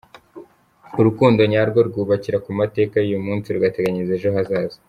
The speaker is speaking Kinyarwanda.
Urukundo nyarwo rwubakira ku mateka y’uyu munsi rugateganyiriza ejo hazaza.